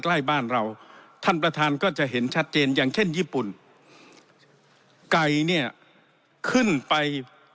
ใกล้บ้านเราท่านประธานก็จะเห็นชัดเจนอย่างเช่นญี่ปุ่นไก่เนี่ยขึ้นไป